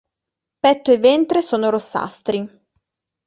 Petto e ventre sono rossastri.